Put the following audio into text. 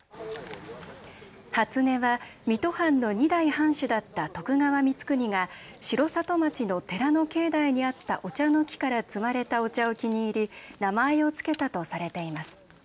初音は水戸藩の２代藩主だった徳川光圀が城里町の寺の境内にあったお茶の木から摘まれたお茶を気に入り名前を付けたとされています。